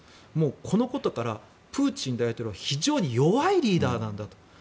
このことからプーチン大統領は非常に弱いリーダーなんだと。